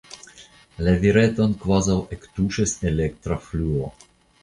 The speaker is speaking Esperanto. La vireton kvazaŭ ektuŝis elektra fluo.